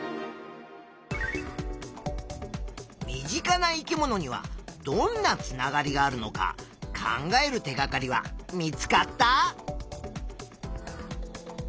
身近な生き物にはどんなつながりがあるのか考える手がかりは見つかった？